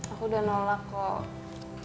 aku udah nolak kok